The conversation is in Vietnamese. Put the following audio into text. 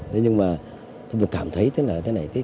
thế nhưng mà tôi cảm thấy thế này